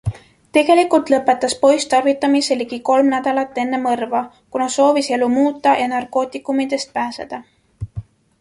Tegelikult lõpetas poiss tarvitamise ligi kolm nädalat enne mõrva, kuna soovis elu muuta ja narkootikumidest pääseda.